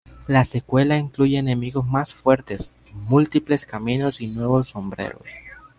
La secuela incluye enemigos más fuertes, múltiples caminos y nuevos sombreros.